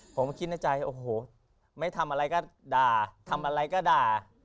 ผมก็คิดในใจโอ้โหไม่ทำอะไรก็ด่าทำอะไรก็ด่า